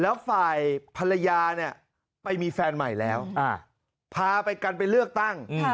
แล้วฝ่ายภรรยาเนี่ยไปมีแฟนใหม่แล้วพาไปกันไปเลือกตั้ง